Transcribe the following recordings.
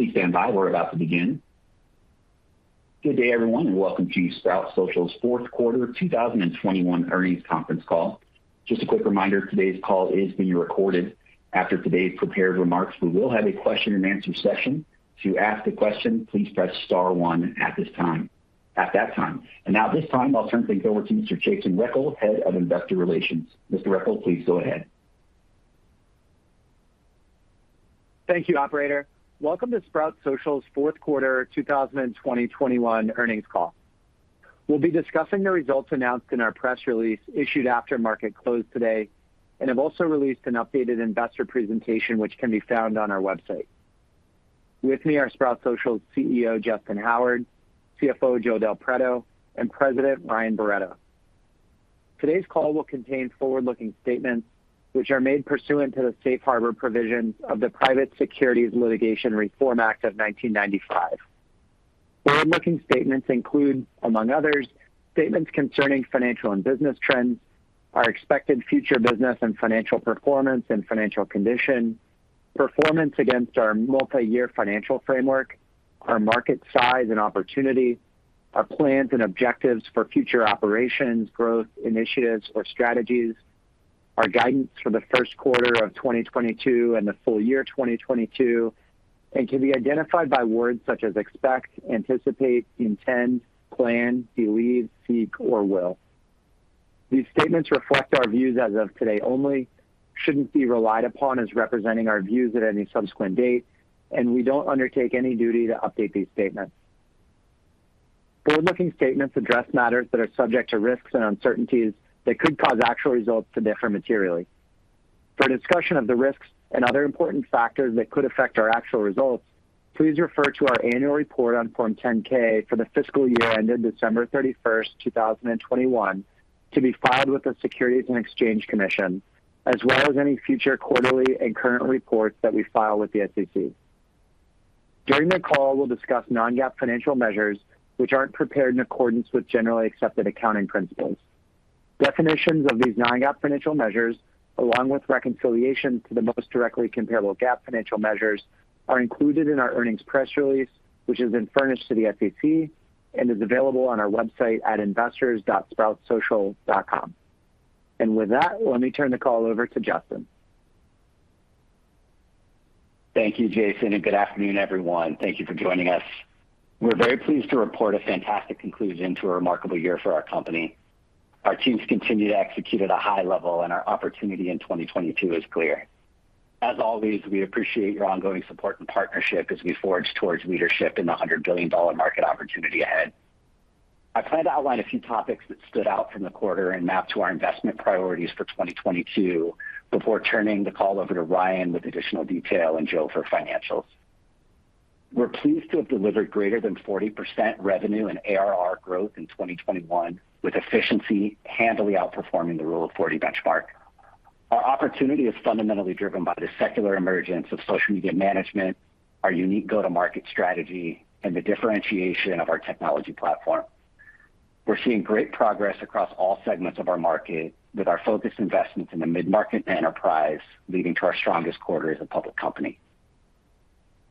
Please stand by. We're about to begin. Good day, everyone, and welcome to Sprout Social's fourth quarter 2021 earnings conference call. Just a quick reminder, today's call is being recorded. After today's prepared remarks, we will have a question-and-answer session. To ask a question, please press star one at that time. Now at this time, I'll turn things over to Mr. Jason Rechel, Head of Investor Relations. Mr. Rechel, please go ahead. Thank you, operator. Welcome to Sprout Social's fourth quarter 2021 earnings call. We'll be discussing the results announced in our press release issued after market closed today, and have also released an updated investor presentation which can be found on our website. With me are Sprout Social's CEO, Justyn Howard, CFO, Joe Del Preto, and President, Ryan Barretto. Today's call will contain forward-looking statements which are made pursuant to the safe harbor provisions of the Private Securities Litigation Reform Act of 1995. Forward-looking statements include, among others, statements concerning financial and business trends, our expected future business and financial performance and financial condition, performance against our multi-year financial framework, our market size and opportunity, our plans and objectives for future operations, growth initiatives or strategies, our guidance for the first quarter of 2022 and the full year 2022, and can be identified by words such as expect, anticipate, intend, plan, believe, seek, or will. These statements reflect our views as of today only, shouldn't be relied upon as representing our views at any subsequent date, and we don't undertake any duty to update these statements. Forward-looking statements address matters that are subject to risks and uncertainties that could cause actual results to differ materially. For a discussion of the risks and other important factors that could affect our actual results, please refer to our annual report on Form 10-K for the fiscal year ended December 31, 2021, to be filed with the Securities and Exchange Commission, as well as any future quarterly and current reports that we file with the SEC. During the call, we'll discuss non-GAAP financial measures which aren't prepared in accordance with generally accepted accounting principles. Definitions of these non-GAAP financial measures, along with reconciliation to the most directly comparable GAAP financial measures, are included in our earnings press release, which has been furnished to the SEC and is available on our website at investors.sproutsocial.com. With that, let me turn the call over to Justyn. Thank you, Jason, and good afternoon, everyone. Thank you for joining us. We're very pleased to report a fantastic conclusion to a remarkable year for our company. Our teams continue to execute at a high level and our opportunity in 2022 is clear. As always, we appreciate your ongoing support and partnership as we forge towards leadership in the $100 billion market opportunity ahead. I plan to outline a few topics that stood out from the quarter and map to our investment priorities for 2022 before turning the call over to Ryan with additional detail and Joe for financials. We're pleased to have delivered greater than 40% revenue and ARR growth in 2021, with efficiency handily outperforming the rule of 40 benchmark. Our opportunity is fundamentally driven by the secular emergence of social media management, our unique go-to-market strategy, and the differentiation of our technology platform. We're seeing great progress across all segments of our market, with our focused investments in the mid-market enterprise leading to our strongest quarter as a public company.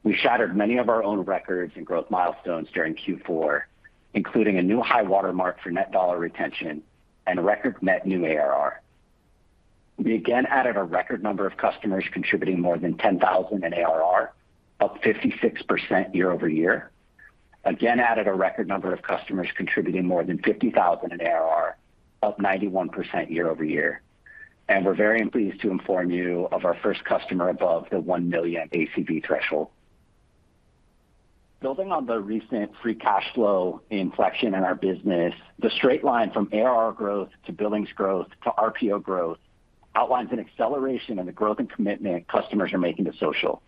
We shattered many of our own records and growth milestones during Q4, including a new high-water mark for net dollar retention and record net new ARR. We again added a record number of customers contributing more than $10,000 in ARR, up 56% year-over-year. We again added a record number of customers contributing more than $50,000 in ARR, up 91% year-over-year. We're very pleased to inform you of our first customer above the $1 million ACV threshold. Building on the recent free cash flow inflection in our business, the straight line from ARR growth to billings growth to RPO growth outlines an acceleration in the growth and commitment customers are making to social.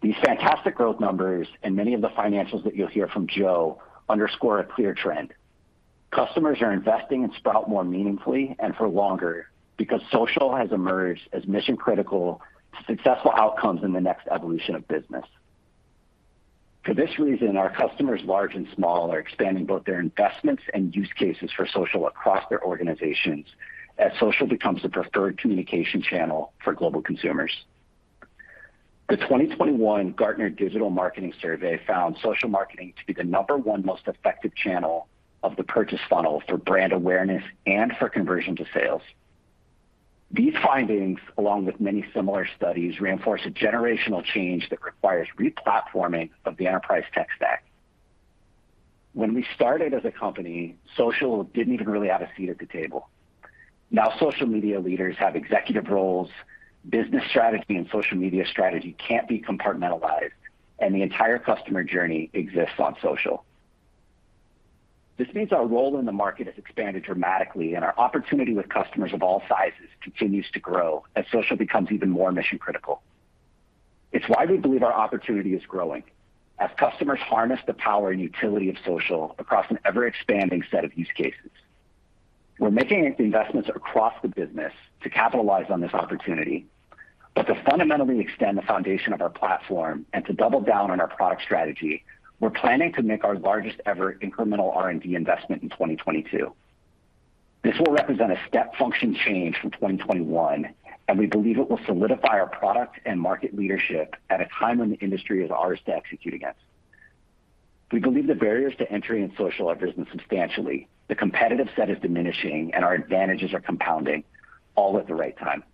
These fantastic growth numbers and many of the financials that you'll hear from Joe underscore a clear trend. Customers are investing in Sprout more meaningfully and for longer because social has emerged as mission-critical to successful outcomes in the next evolution of business. For this reason, our customers large and small are expanding both their investments and use cases for social across their organizations as social becomes the preferred communication channel for global consumers. The 2021 Gartner Digital Marketing Survey found social marketing to be the number one most effective channel of the purchase funnel for brand awareness and for conversion to sales. These findings, along with many similar studies, reinforce a generational change that requires re-platforming of the enterprise tech stack. When we started as a company, social didn't even really have a seat at the table. Now social media leaders have executive roles, business strategy and social media strategy can't be compartmentalized, and the entire customer journey exists on social. This means our role in the market has expanded dramatically, and our opportunity with customers of all sizes continues to grow as social becomes even more mission-critical. It's why we believe our opportunity is growing as customers harness the power and utility of social across an ever-expanding set of use cases. We're making investments across the business to capitalize on this opportunity, but to fundamentally extend the foundation of our platform and to double down on our product strategy, we're planning to make our largest ever incremental R&D investment in 2022. This will represent a step function change from 2021, and we believe it will solidify our product and market leadership at a time when the industry is ours to execute against. We believe the barriers to entry in social have risen substantially. The competitive set is diminishing, and our advantages are compounding all at the right time.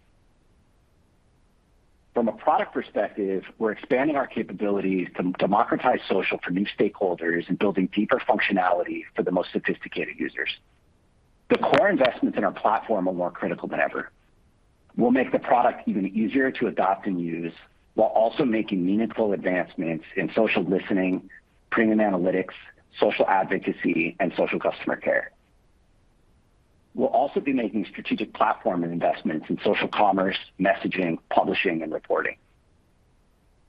From a product perspective, we're expanding our capabilities to democratize social for new stakeholders and building deeper functionality for the most sophisticated users. The core investments in our platform are more critical than ever. We'll make the product even easier to adopt and use while also making meaningful advancements in social listening, premium analytics, social advocacy, and social customer care. We'll also be making strategic platform investments in social commerce, messaging, publishing, and reporting.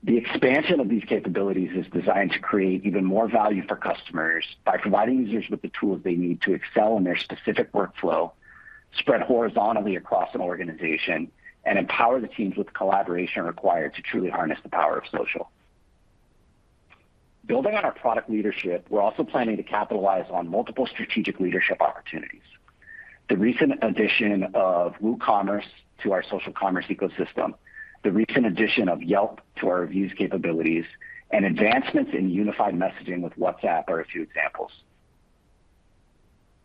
The expansion of these capabilities is designed to create even more value for customers by providing users with the tools they need to excel in their specific workflow, spread horizontally across an organization, and empower the teams with the collaboration required to truly harness the power of social. Building on our product leadership, we're also planning to capitalize on multiple strategic leadership opportunities. The recent addition of WooCommerce to our social commerce ecosystem, the recent addition of Yelp to our reviews capabilities, and advancements in unified messaging with WhatsApp are a few examples.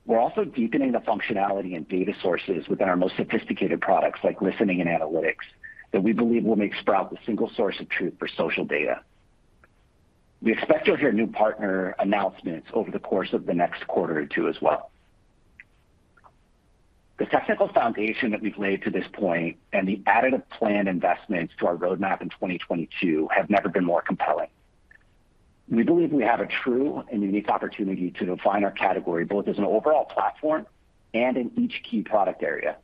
We're also deepening the functionality and data sources within our most sophisticated products like listening and analytics that we believe will make Sprout the single source of truth for social data. We expect you'll hear new partner announcements over the course of the next quarter or two as well. The technical foundation that we've laid to this point and the additive planned investments to our roadmap in 2022 have never been more compelling. We believe we have a true and unique opportunity to define our category, both as an overall platform and in each key product area,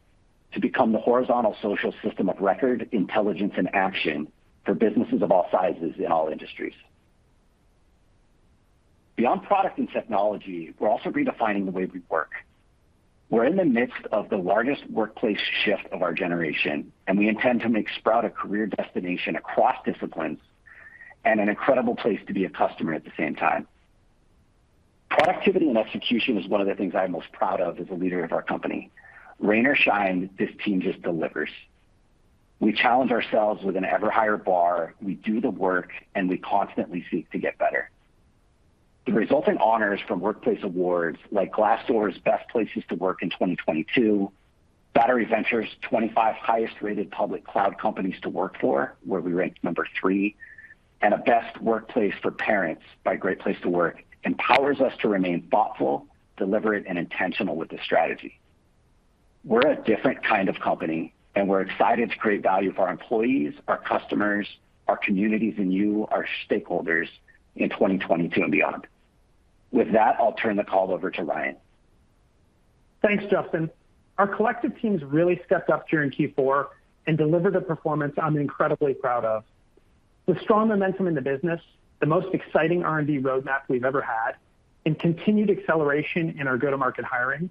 to become the horizontal social system of record, intelligence, and action for businesses of all sizes in all industries. Beyond product and technology, we're also redefining the way we work. We're in the midst of the largest workplace shift of our generation, and we intend to make Sprout a career destination across disciplines and an incredible place to be a customer at the same time. Productivity and execution is one of the things I'm most proud of as a leader of our company. Rain or shine, this team just delivers. We challenge ourselves with an ever higher bar. We do the work, and we constantly seek to get better. The resulting honors from workplace awards like Glassdoor's Best Places to Work in 2022, Battery Ventures' 25 Highest Rated Public Cloud Companies to Work For, where we ranked number 3, and a Best Workplace for Parents by Great Place to Work empowers us to remain thoughtful, deliberate, and intentional with the strategy. We're a different kind of company, and we're excited to create value for our employees, our customers, our communities, and you, our stakeholders, in 2022 and beyond. With that, I'll turn the call over to Ryan. Thanks, Justyn. Our collective teams really stepped up during Q4 and delivered a performance I'm incredibly proud of. With strong momentum in the business, the most exciting R&D roadmap we've ever had, and continued acceleration in our go-to-market hiring,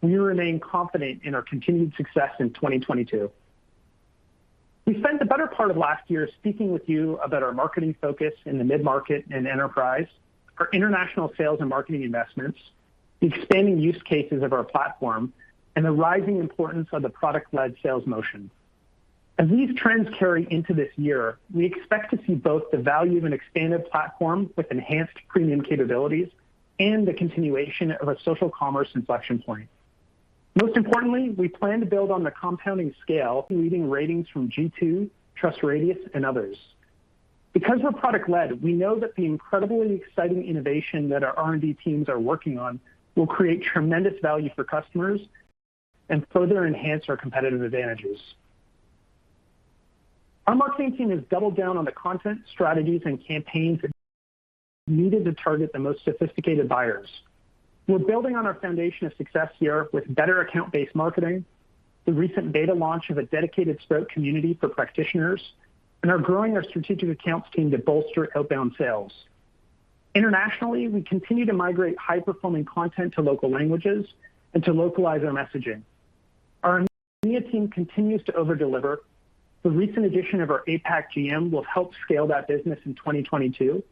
we remain confident in our continued success in 2022. We spent the better part of last year speaking with you about our marketing focus in the mid-market and enterprise, our international sales and marketing investments, the expanding use cases of our platform, and the rising importance of the product-led sales motion. As these trends carry into this year, we expect to see both the value of an expanded platform with enhanced premium capabilities and the continuation of a social commerce inflection point. Most importantly, we plan to build on the compounding scale leading ratings from G2, TrustRadius, and others. Because we're product-led, we know that the incredibly exciting innovation that our R&D teams are working on will create tremendous value for customers and further enhance our competitive advantages. Our marketing team has doubled down on the content, strategies, and campaigns needed to target the most sophisticated buyers. We're building on our foundation of success here with better account-based marketing, the recent beta launch of a dedicated Sprout community for practitioners, and are growing our strategic accounts team to bolster outbound sales. Internationally, we continue to migrate high-performing content to local languages and to localize our messaging. Our India team continues to over-deliver. The recent addition of our APAC GM will help scale that business in 2022,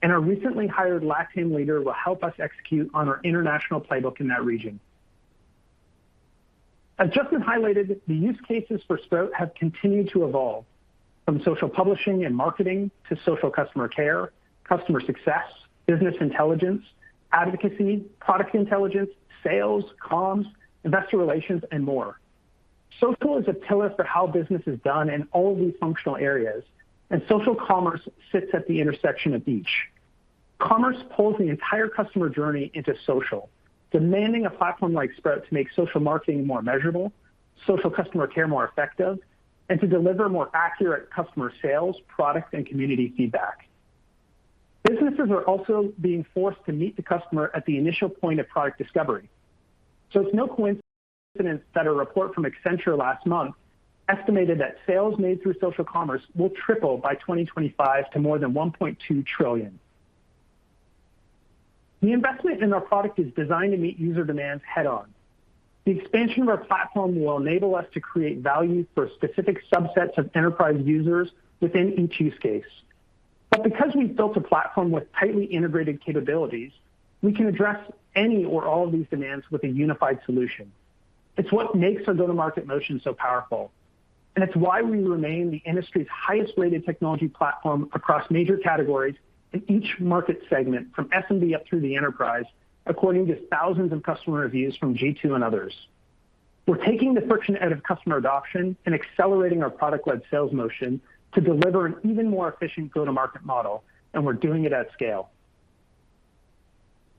and our recently hired LATAM leader will help us execute on our international playbook in that region. As Justin highlighted, the use cases for Sprout have continued to evolve from social publishing and marketing to social customer care, customer success, business intelligence, advocacy, product intelligence, sales, comms, investor relations, and more. Social is a pillar for how business is done in all these functional areas, and social commerce sits at the intersection of each. Commerce pulls the entire customer journey into social, demanding a platform like Sprout to make social marketing more measurable, social customer care more effective, and to deliver more accurate customer sales, product, and community feedback. Businesses are also being forced to meet the customer at the initial point of product discovery. It's no coincidence that a report from Accenture last month estimated that sales made through social commerce will triple by 2025 to more than $1.2 trillion. The investment in our product is designed to meet user demands head-on. The expansion of our platform will enable us to create value for specific subsets of enterprise users within each use case. Because we've built a platform with tightly integrated capabilities, we can address any or all of these demands with a unified solution. It's what makes our go-to-market motion so powerful, and it's why we remain the industry's highest-rated technology platform across major categories in each market segment, from SMB up through the enterprise, according to thousands of customer reviews from G2 and others. We're taking the friction out of customer adoption and accelerating our product-led sales motion to deliver an even more efficient go-to-market model, and we're doing it at scale.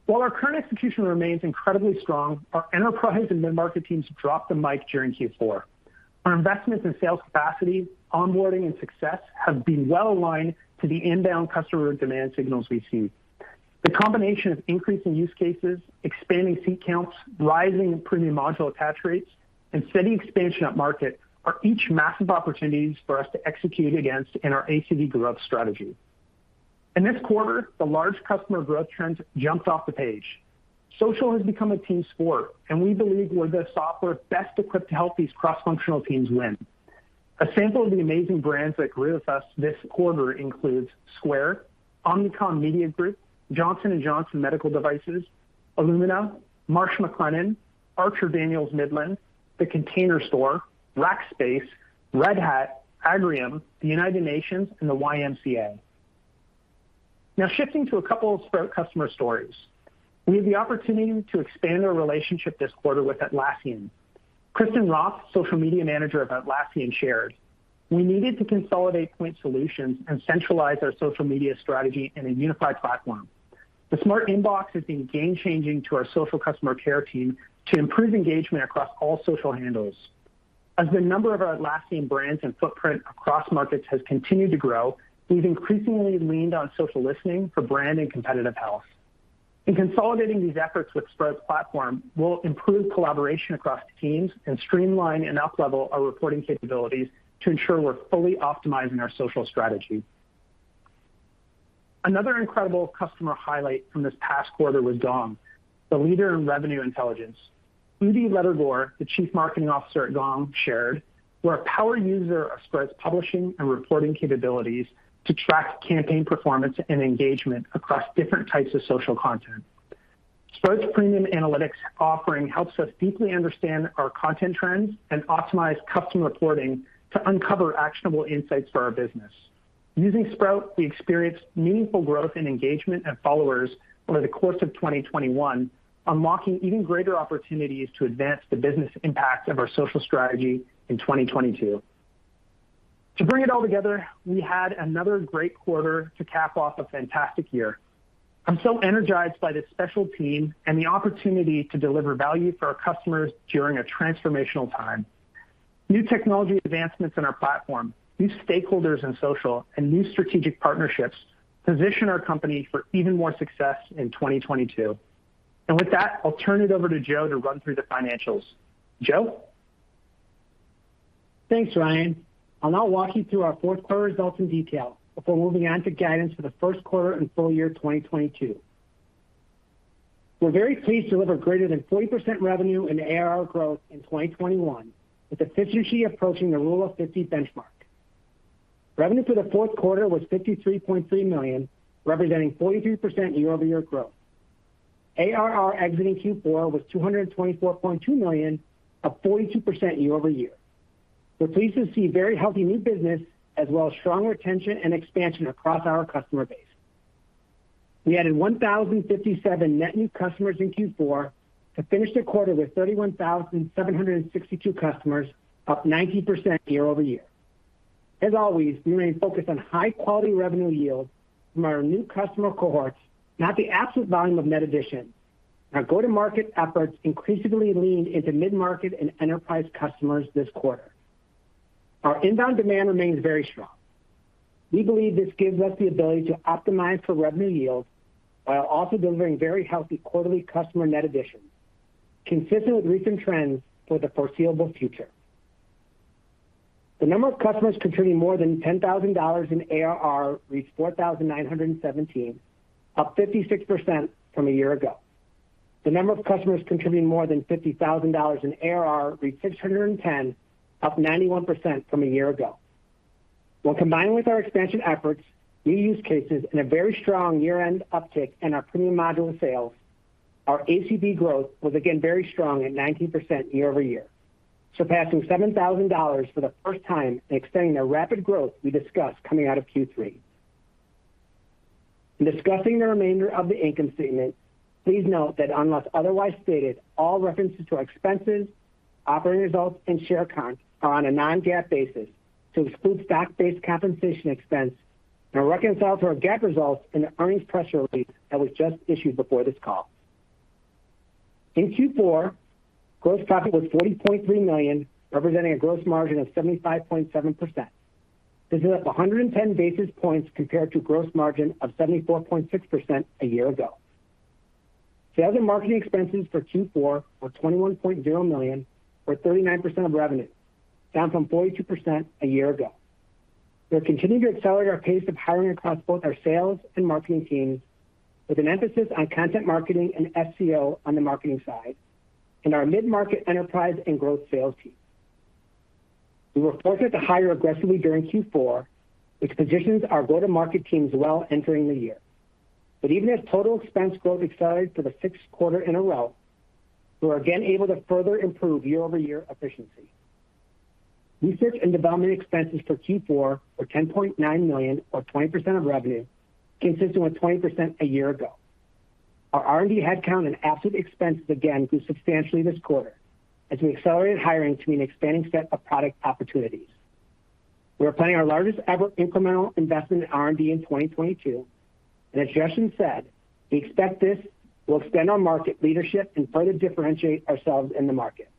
While our current execution remains incredibly strong, our enterprise and mid-market teams dropped the mic during Q4. Our investments in sales capacity, onboarding, and success have been well aligned to the inbound customer demand signals we see. The combination of increasing use cases, expanding seat counts, rising premium module attach rates, and steady expansion at market are each massive opportunities for us to execute against in our ACV growth strategy. In this quarter, the large customer growth trends jumped off the page. Social has become a team sport, and we believe we're the software best equipped to help these cross-functional teams win. A sample of the amazing brands that grew with us this quarter includes Square, Omnicom Media Group, Johnson & Johnson Medical Devices, Illumina, Marsh McLennan, Archer Daniels Midland, The Container Store, Rackspace, Red Hat, Agrium, the United Nations, and the YMCA. Now shifting to a couple of Sprout customer stories. We had the opportunity to expand our relationship this quarter with Atlassian. Kristin Roth, Social Media Manager of Atlassian, shared, "We needed to consolidate point solutions and centralize our social media strategy in a unified platform. The smart inbox has been game-changing to our social customer care team to improve engagement across all social handles. As the number of our Atlassian brands and footprint across markets has continued to grow, we've increasingly leaned on social listening for brand and competitive health. In consolidating these efforts with Sprout platform will improve collaboration across teams and streamline and uplevel our reporting capabilities to ensure we're fully optimizing our social strategy." Another incredible customer highlight from this past quarter was Gong, the leader in revenue intelligence. Udi Ledergor, the Chief Marketing Officer at Gong, shared, "We're a power user of Sprout's publishing and reporting capabilities to track campaign performance and engagement across different types of social content. Sprout's premium analytics offering helps us deeply understand our content trends and optimize custom reporting to uncover actionable insights for our business. Using Sprout, we experienced meaningful growth in engagement and followers over the course of 2021, unlocking even greater opportunities to advance the business impact of our social strategy in 2022." To bring it all together, we had another great quarter to cap off a fantastic year. I'm so energized by this special team and the opportunity to deliver value for our customers during a transformational time. New technology advancements in our platform, new stakeholders in social, and new strategic partnerships position our company for even more success in 2022. With that, I'll turn it over to Joe to run through the financials. Joe? Thanks, Ryan. I'll now walk you through our fourth quarter results in detail before moving on to guidance for the first quarter and full year 2022. We're very pleased to deliver greater than 40% revenue and ARR growth in 2021, with efficiency approaching the rule of fifty benchmark. Revenue for the fourth quarter was $53.3 million, representing 43% year-over-year growth. ARR exiting Q4 was $224.2 million, up 42% year-over-year. We're pleased to see very healthy new business as well as strong retention and expansion across our customer base. We added 1,057 net new customers in Q4 to finish the quarter with 31,762 customers, up 90% year-over-year. As always, we remain focused on high-quality revenue yield from our new customer cohorts, not the absolute volume of net addition. Our go-to-market efforts increasingly leaned into mid-market and enterprise customers this quarter. Our inbound demand remains very strong. We believe this gives us the ability to optimize for revenue yield while also delivering very healthy quarterly customer net additions, consistent with recent trends for the foreseeable future. The number of customers contributing more than $10,000 in ARR reached 4,917, up 56% from a year ago. The number of customers contributing more than $50,000 in ARR reached 610, up 91% from a year ago. When combined with our expansion efforts, new use cases, and a very strong year-end uptick in our premium module sales, our ACV growth was again very strong at 90% year-over-year, surpassing $7,000 for the first time and extending the rapid growth we discussed coming out of Q3. In discussing the remainder of the income statement, please note that unless otherwise stated, all references to our expenses, operating results, and share counts are on a non-GAAP basis to exclude stock-based compensation expense and are reconciled to our GAAP results in the earnings press release that was just issued before this call. In Q4, gross profit was $40.3 million, representing a gross margin of 75.7%. This is up 110 basis points compared to gross margin of 74.6% a year ago. Sales and marketing expenses for Q4 were $21.0 million or 39% of revenue, down from 42% a year ago. We are continuing to accelerate our pace of hiring across both our sales and marketing teams with an emphasis on content marketing and SEO on the marketing side and our mid-market enterprise and growth sales team. We were forced to hire aggressively during Q4, which positions our go-to-market teams well entering the year. Even as total expense growth accelerated for the sixth quarter in a row, we were again able to further improve year-over-year efficiency. Research and development expenses for Q4 were $10.9 million or 20% of revenue, consistent with 20% a year ago. Our R&D headcount and asset expenses again grew substantially this quarter as we accelerated hiring to meet an expanding set of product opportunities. We are planning our largest ever incremental investment in R&D in 2022, and as Justyn said, we expect this will extend our market leadership and further differentiate ourselves in the market.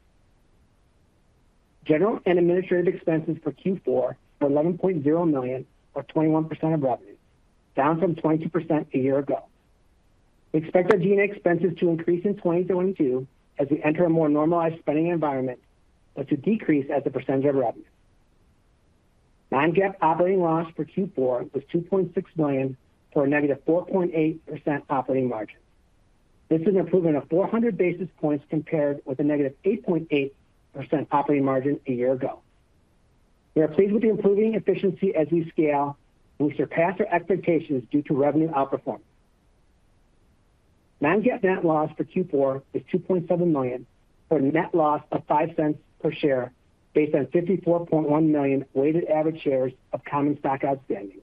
General and administrative expenses for Q4 were $11.0 million or 21% of revenue, down from 20% a year ago. We expect our G&A expenses to increase in 2022 as we enter a more normalized spending environment, but to decrease as a percentage of revenue. non-GAAP operating loss for Q4 was $2.6 million for a -4.8% operating margin. This is an improvement of 400 basis points compared with a -8.8% operating margin a year ago. We are pleased with the improving efficiency as we scale, and we surpassed our expectations due to revenue outperformance. Non-GAAP net loss for Q4 was $2.7 million, for a net loss of $0.05 per share based on 54.1 million weighted average shares of common stock outstanding,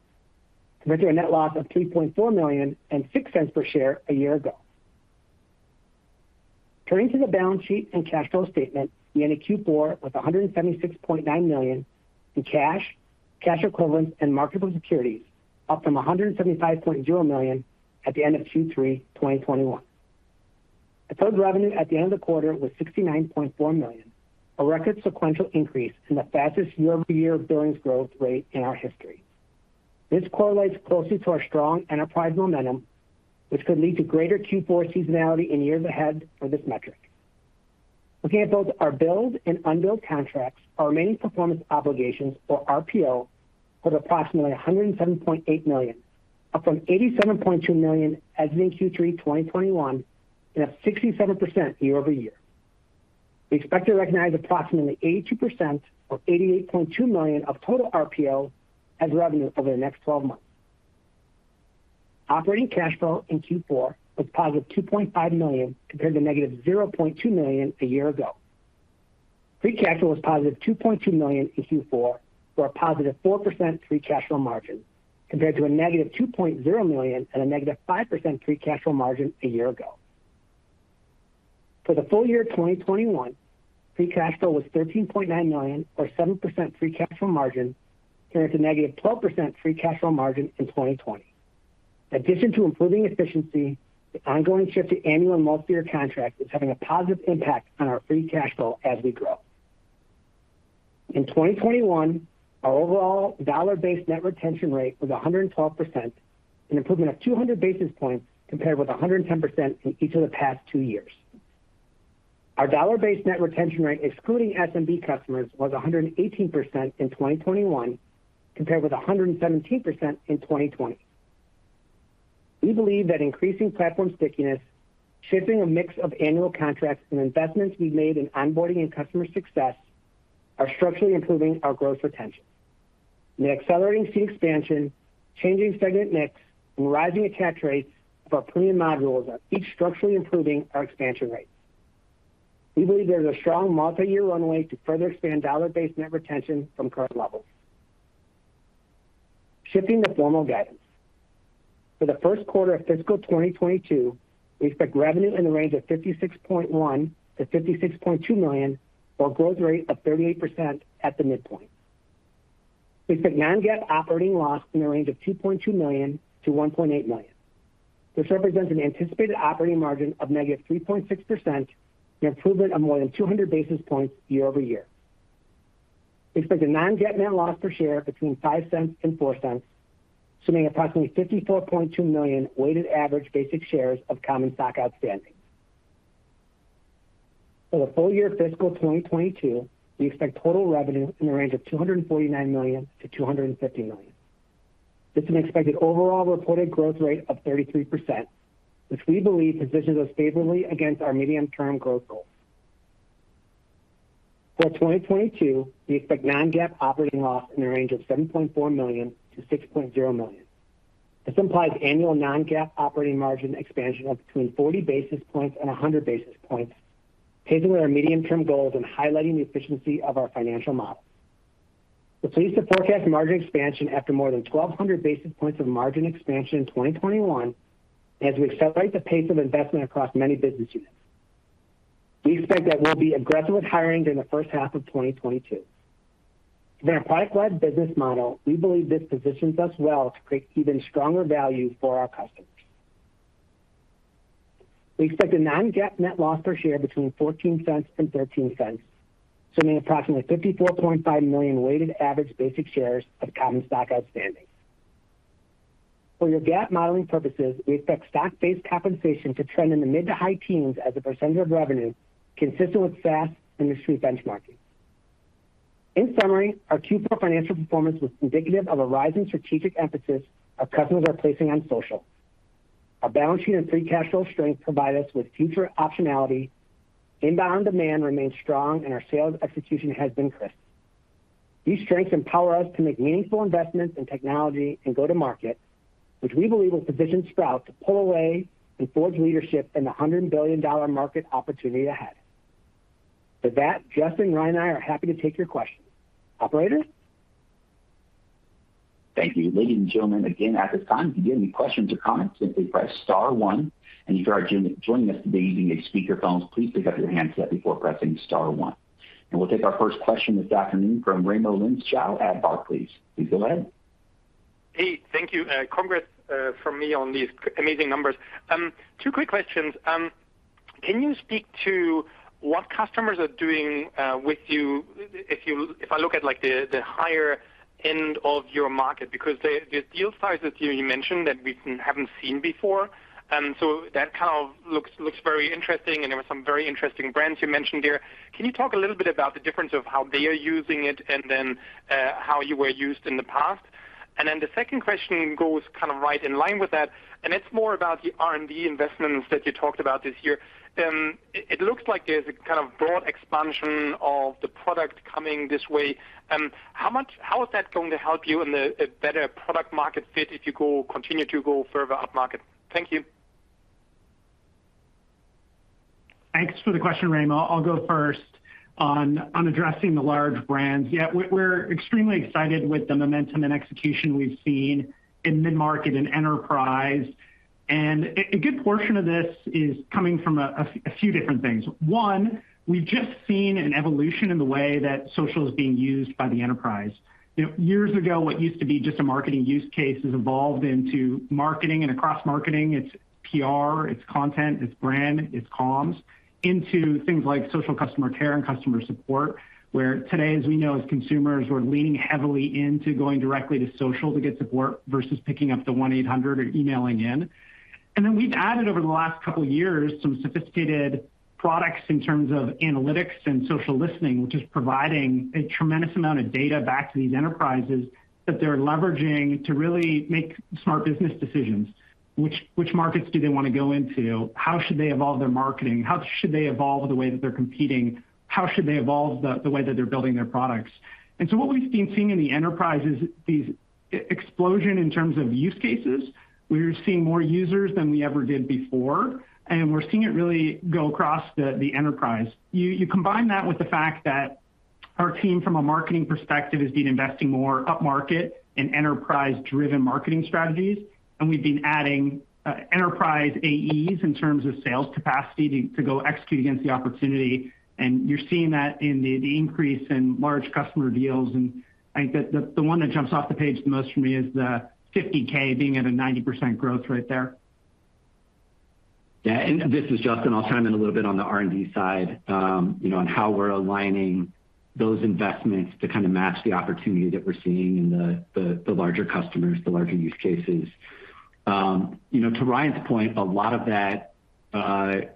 compared to a net loss of $3.4 million and $0.06 per share a year ago. Turning to the balance sheet and cash flow statement, we ended Q4 with $176.9 million in cash equivalents, and marketable securities, up from $175.0 million at the end of Q3 2021. Deferred revenue at the end of the quarter was $69.4 million, a record sequential increase and the fastest year-over-year billings growth rate in our history. This correlates closely to our strong enterprise momentum, which could lead to greater Q4 seasonality in years ahead for this metric. Looking at both our billed and unbilled contracts, our remaining performance obligations or RPO was approximately $107.8 million, up from $87.2 million as of Q3 2021 and up 67% year-over-year. We expect to recognize approximately 82% or $88.2 million of total RPO as revenue over the next 12 months. Operating cash flow in Q4 was positive $2.5 million compared to negative $0.2 million a year ago. Free cash flow was positive $2.2 million in Q4 for a positive 4% free cash flow margin compared to a negative $2.0 million and a negative 5% free cash flow margin a year ago. For the full year 2021, free cash flow was $13.9 million or 7% free cash flow margin compared to -12% free cash flow margin in 2020. In addition to improving efficiency, the ongoing shift to annual and multiyear contracts is having a positive impact on our free cash flow as we grow. In 2021, our overall dollar-based net retention rate was 112%, an improvement of 200 basis points compared with 110% in each of the past two years. Our dollar-based net retention rate excluding SMB customers was 118% in 2021, compared with 117% in 2020. We believe that increasing platform stickiness, shifting a mix of annual contracts, and investments we've made in onboarding and customer success are structurally improving our growth retention. The accelerating seat expansion, changing segment mix, and rising attach rates of our premium modules are each structurally improving our expansion rates. We believe there's a strong multi-year runway to further expand dollar-based net retention from current levels. Shifting to formal guidance. For the first quarter of fiscal 2022, we expect revenue in the range of $56.1 million-$56.2 million, or a growth rate of 38% at the midpoint. We expect non-GAAP operating loss in the range of $2.2 million-$1.8 million. This represents an anticipated operating margin of -3.6%, an improvement of more than 200 basis points year-over-year. We expect a non-GAAP net loss per share between $0.05 and $0.04, assuming approximately 54.2 million weighted average basic shares of common stock outstanding. For the full year fiscal 2022, we expect total revenue in the range of $249 million-$250 million. This is an expected overall reported growth rate of 33%, which we believe positions us favorably against our medium-term growth goals. For 2022, we expect non-GAAP operating loss in the range of $7.4 million-$6.0 million. This implies annual non-GAAP operating margin expansion of between 40 basis points and 100 basis points, pacing with our medium-term goals and highlighting the efficiency of our financial model. We're pleased to forecast margin expansion after more than 1,200 basis points of margin expansion in 2021 as we accelerate the pace of investment across many business units. We expect that we'll be aggressive with hiring during the first half of 2022. Given our product-led business model, we believe this positions us well to create even stronger value for our customers. We expect a non-GAAP net loss per share between $0.14 and $0.13, assuming approximately 54.5 million weighted average basic shares of common stock outstanding. For your GAAP modeling purposes, we expect stock-based compensation to trend in the mid- to high teens% of revenue, consistent with SaaS industry benchmarking. In summary, our Q4 financial performance was indicative of a rising strategic emphasis our customers are placing on social. Our balance sheet and free cash flow strength provide us with future optionality. Inbound demand remains strong, and our sales execution has been crisp. These strengths empower us to make meaningful investments in technology and go-to-market, which we believe will position Sprout to pull away and forge leadership in the $100 billion market opportunity ahead. With that, Justin, Ryan, and I are happy to take your questions. Operator? Thank you. Ladies and gentlemen, again, at this time, if you do have any questions or comments, simply press star one. If you are joining us today using a speakerphone, please pick up your handset before pressing star one. We'll take our first question this afternoon from Raimo Lenschow at Barclays. Please go ahead. Hey, thank you. Congrats from me on these amazing numbers. Two quick questions. Can you speak to what customers are doing with you if I look at like the higher end of your market because the deal sizes you mentioned that we haven't seen before, so that kind of looks very interesting, and there were some very interesting brands you mentioned there. Can you talk a little bit about the difference of how they are using it and then how you were used in the past? The second question goes kind of right in line with that, and it's more about the R&D investments that you talked about this year. It looks like there's a kind of broad expansion of the product coming this way. How is that going to help you in the, a better product market fit if you go, continue to go further up market? Thank you. Thanks for the question, Raimo. I'll go first on addressing the large brands. Yeah, we're extremely excited with the momentum and execution we've seen in mid-market and enterprise. A good portion of this is coming from a few different things. One, we've just seen an evolution in the way that social is being used by the enterprise. You know, years ago, what used to be just a marketing use case has evolved into marketing and across marketing. It's PR, it's content, it's brand, it's comms into things like social customer care and customer support, where today, as we know, as consumers, we're leaning heavily into going directly to social to get support versus picking up the 1-800 or emailing in. We've added over the last couple years some sophisticated products in terms of analytics and social listening, which is providing a tremendous amount of data back to these enterprises that they're leveraging to really make smart business decisions. Which markets do they want to go into? How should they evolve their marketing? How should they evolve the way that they're competing? How should they evolve the way that they're building their products? What we've been seeing in the enterprise is this explosion in terms of use cases. We're seeing more users than we ever did before, and we're seeing it really go across the enterprise. You combine that with the fact that our team from a marketing perspective has been investing more upmarket in enterprise-driven marketing strategies, and we've been adding enterprise AEs in terms of sales capacity to go execute against the opportunity. You're seeing that in the increase in large customer deals. I think the one that jumps off the page the most for me is the 50K being at a 90% growth right there. Yeah. This is Justyn. I'll chime in a little bit on the R&D side, you know, on how we're aligning those investments to kind of match the opportunity that we're seeing in the larger customers, the larger use cases. You know, to Ryan's point, a lot of that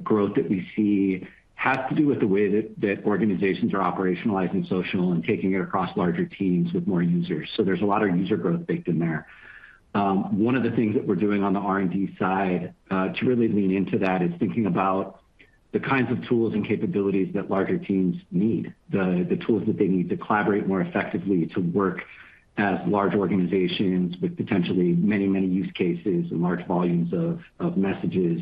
growth that we see has to do with the way that organizations are operationalizing social and taking it across larger teams with more users. So there's a lot of user growth baked in there. One of the things that we're doing on the R&D side to really lean into that is thinking about the kinds of tools and capabilities that larger teams need, the tools that they need to collaborate more effectively to work as large organizations with potentially many use cases and large volumes of messages.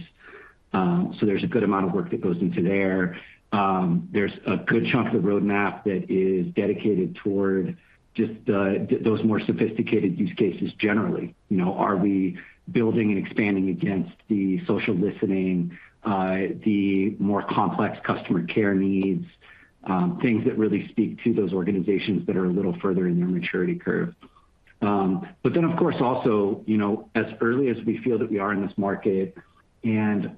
There's a good amount of work that goes into there. There's a good chunk of the roadmap that is dedicated toward just, those more sophisticated use cases generally. You know, are we building and expanding against the social listening, the more complex customer care needs, things that really speak to those organizations that are a little further in their maturity curve. Of course also, you know, as early as we feel that we are in this market and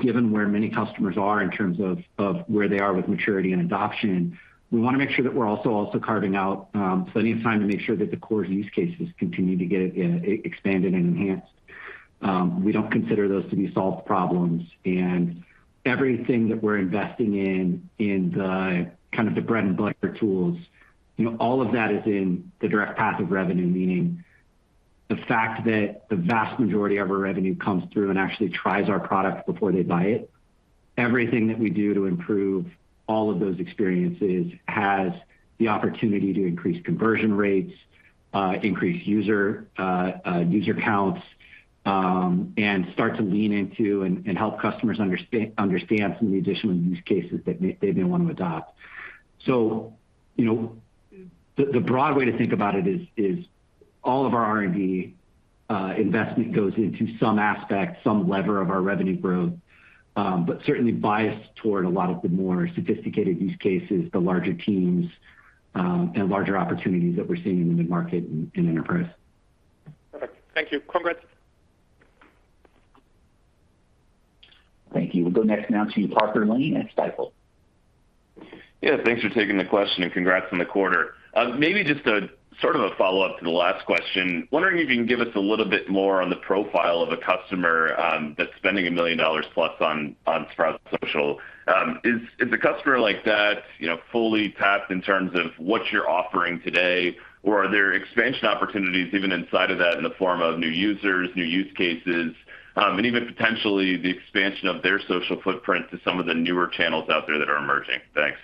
given where many customers are in terms of, where they are with maturity and adoption, we want to make sure that we're also carving out, plenty of time to make sure that the core use cases continue to get, expanded and enhanced. We don't consider those to be solved problems. Everything that we're investing in the kind of the bread-and-butter tools, you know, all of that is in the direct path of revenue, meaning the fact that the vast majority of our revenue comes from customers who actually try our product before they buy it. Everything that we do to improve all of those experiences has the opportunity to increase conversion rates, increase user counts, and start to lean into and help customers understand some of the additional use cases that they may want to adopt. You know, the broad way to think about it is all of our R&D investment goes into some aspect, some lever of our revenue growth, but certainly biased toward a lot of the more sophisticated use cases, the larger teams, and larger opportunities that we're seeing in the mid-market and in enterprise. Perfect. Thank you. Congrats. Thank you. We'll go next now to Parker Lane at Stifel. Yeah, thanks for taking the question, and congrats on the quarter. Maybe just a sort of a follow-up to the last question. Wondering if you can give us a little bit more on the profile of a customer that's spending $1 million plus on Sprout Social. Is a customer like that, you know, fully tapped in terms of what you're offering today? Or are there expansion opportunities even inside of that in the form of new users, new use cases, and even potentially the expansion of their social footprint to some of the newer channels out there that are emerging? Thanks.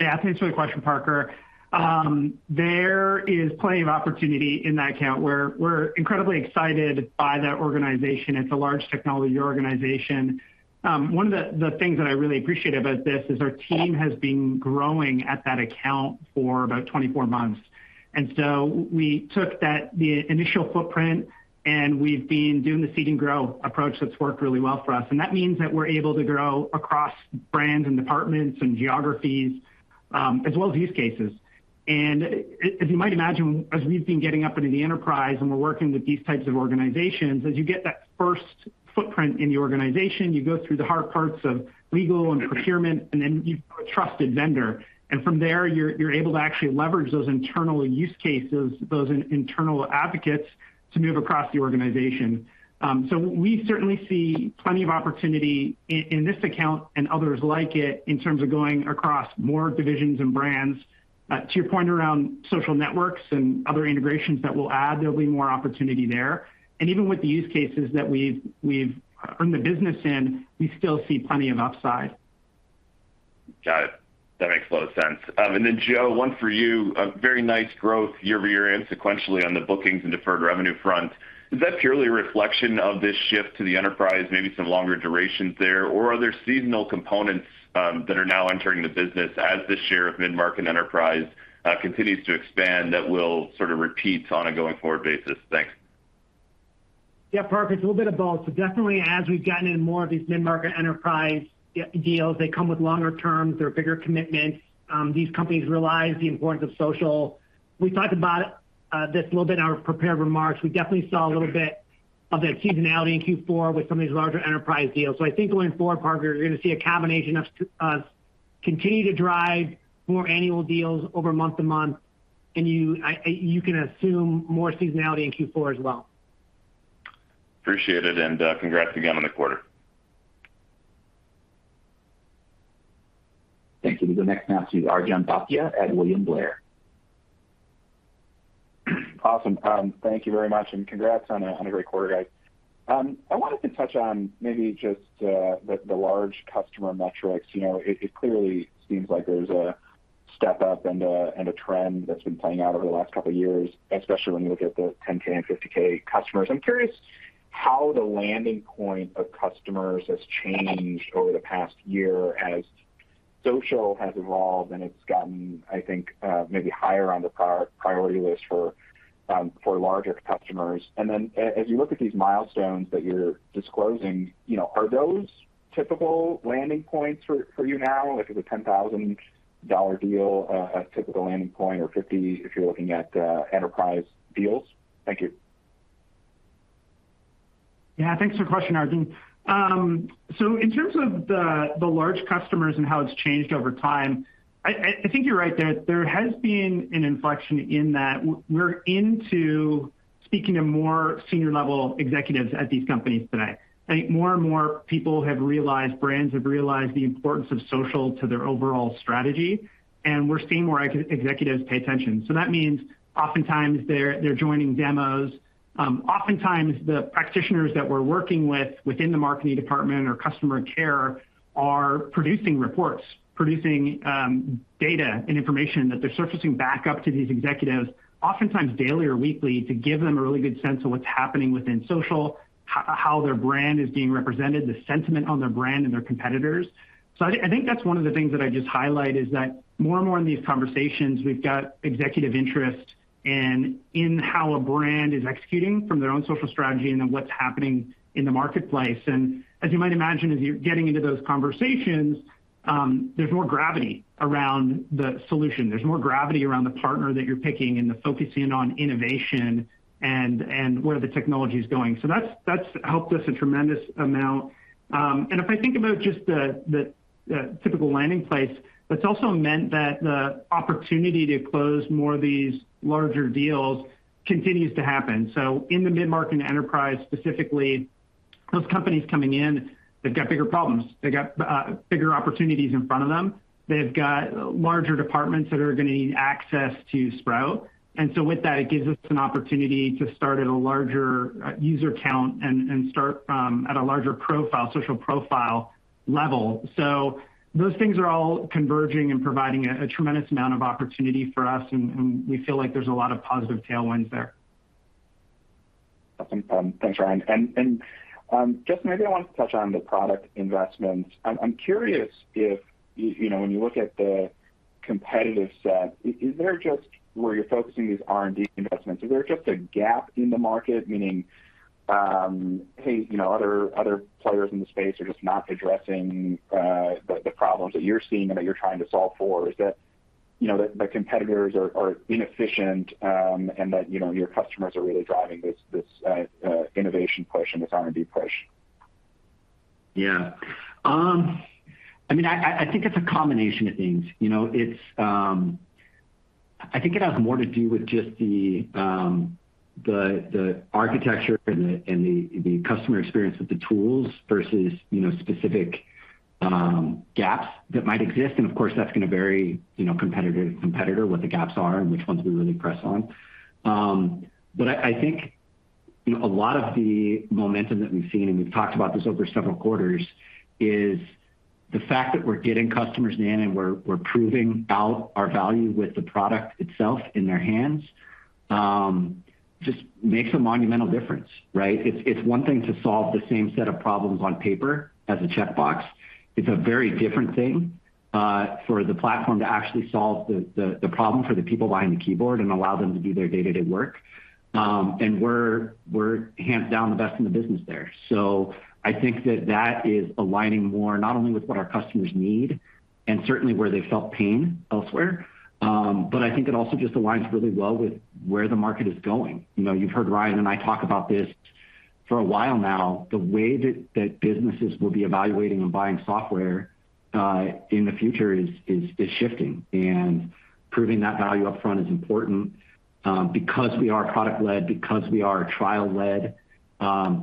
Yeah. Thanks for the question, Parker Lane. There is plenty of opportunity in that account. We're incredibly excited by that organization. It's a large technology organization. One of the things that I really appreciate about this is our team has been growing at that account for about 24 months. We took the initial footprint, and we've been doing the seed and grow approach that's worked really well for us, and that means that we're able to grow across brands and departments and geographies, as well as use cases. As you might imagine, as we've been getting up into the enterprise and we're working with these types of organizations, as you get that first footprint in the organization, you go through the hard parts of legal and procurement, and then you've got a trusted vendor. From there you're able to actually leverage those internal use cases, those internal advocates to move across the organization. We certainly see plenty of opportunity in this account and others like it in terms of going across more divisions and brands. To your point around social networks and other integrations that we'll add, there'll be more opportunity there. Even with the use cases that we've earned the business in, we still see plenty of upside. Got it. That makes a lot of sense. Then, Joe, one for you. A very nice growth year-over-year and sequentially on the bookings and deferred revenue front. Is that purely a reflection of this shift to the enterprise, maybe some longer durations there, or are there seasonal components that are now entering the business as the share of mid-market enterprise continues to expand that will sort of repeat on a going-forward basis? Thanks. Yeah. Parker, it's a little bit of both. Definitely as we've gotten in more of these mid-market enterprise deals, they come with longer terms. They're bigger commitments. These companies realize the importance of social. We talked about this a little bit in our prepared remarks. We definitely saw a little bit of the seasonality in Q4 with some of these larger enterprise deals. I think going forward, Parker, you're gonna see a combination of us continue to drive more annual deals over month-to-month, and you can assume more seasonality in Q4 as well. Appreciate it, and congrats again on the quarter. Thank you. We'll go next now to Arjun Bhatia at William Blair. Awesome. Thank you very much, and congrats on a great quarter, guys. I wanted to touch on maybe just the large customer metrics. You know, it clearly seems like there's a step-up and a trend that's been playing out over the last couple of years, especially when you look at the $10K and $50K customers. I'm curious how the landing point of customers has changed over the past year as social has evolved, and it's gotten, I think, maybe higher on the priority list for larger customers. Then as you look at these milestones that you're disclosing, you know, are those typical landing points for you now? Like, is a $10,000 deal a typical landing point or $50 if you're looking at enterprise deals? Thank you. Yeah. Thanks for the question, Arjun. In terms of the large customers and how it's changed over time, I think you're right that there has been an inflection in that we're into speaking to more senior level executives at these companies today. I think more and more people have realized, brands have realized the importance of social to their overall strategy, and we're seeing more executives pay attention. That means oftentimes they're joining demos. Oftentimes the practitioners that we're working with within the marketing department or customer care are producing reports, producing data and information that they're surfacing back up to these executives, oftentimes daily or weekly, to give them a really good sense of what's happening within social, how their brand is being represented, the sentiment on their brand and their competitors. I think that's one of the things that I just highlight, is that more and more in these conversations, we've got executive interest in how a brand is executing from their own social strategy and then what's happening in the marketplace. As you might imagine, as you're getting into those conversations, there's more gravity around the solution. There's more gravity around the partner that you're picking and focusing on innovation and where the technology is going. That's helped us a tremendous amount. If I think about just the typical landing place, that's also meant that the opportunity to close more of these larger deals continues to happen. In the mid-market and enterprise specifically, those companies coming in, they've got bigger problems. They've got bigger opportunities in front of them. They've got larger departments that are gonna need access to Sprout. With that, it gives us an opportunity to start at a larger user count and start at a larger profile, social profile level. Those things are all converging and providing a tremendous amount of opportunity for us, and we feel like there's a lot of positive tailwinds there. Awesome. Thanks, Ryan. Just maybe I wanted to touch on the product investments. I'm curious if you know, when you look at the competitive set, is there just where you're focusing these R&D investments? Is there just a gap in the market? Meaning, hey, you know, other players in the space are just not addressing the problems that you're seeing and that you're trying to solve for. Is that, you know, that the competitors are inefficient, and that, you know, your customers are really driving this innovation push and this R&D push. Yeah. I mean, I think it's a combination of things. You know, it's I think it has more to do with just the architecture and the customer experience with the tools versus, you know, specific gaps that might exist. Of course, that's gonna vary, you know, competitor to competitor, what the gaps are and which ones we really press on. I think, you know, a lot of the momentum that we've seen, and we've talked about this over several quarters, is the fact that we're getting customers in and we're proving out our value with the product itself in their hands just makes a monumental difference, right? It's one thing to solve the same set of problems on paper as a checkbox. It's a very different thing for the platform to actually solve the problem for the people behind the keyboard and allow them to do their day-to-day work. We're hands down the best in the business there. I think that is aligning more, not only with what our customers need and certainly where they felt pain elsewhere, but I think it also just aligns really well with where the market is going. You know, you've heard Ryan and I talk about this for a while now. The way that businesses will be evaluating and buying software in the future is shifting. Proving that value upfront is important, because we are product-led, because we are trial-led,